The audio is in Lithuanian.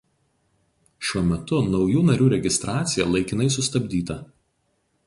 Šiuo metu naujų narių registracija laikinai sustabdyta.